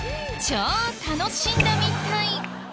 超楽しんだみたい。